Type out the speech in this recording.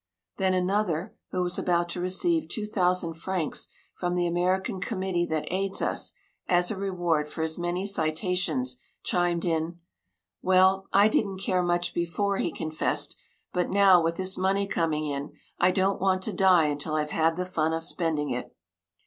Then another, who was about to receive 2,000 francs from the American committee that aids us, as a reward for his many citations, chimed in. "Well, I didn't care much before," he confessed, "but now with this money coming in I don't want to die until I've had the fun of spending it."